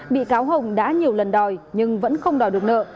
bị cáo hồng đã nhiều lần đòi nhưng vẫn không đòi được nợ